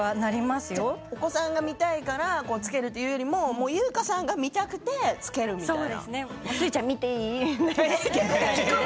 お子さんが好きだからつけるというより優香さんが好きでつけるみたいな。